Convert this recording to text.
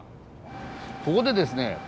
ここでですね